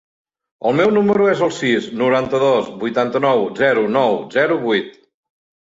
El meu número es el sis, noranta-dos, vuitanta-nou, zero, nou, zero, vuit.